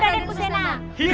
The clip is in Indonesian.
raden bujana datang